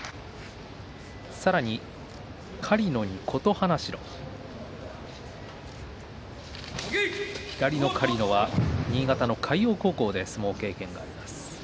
さらに、狩野に琴花城狩野は新潟の海洋高校で相撲の経験があります。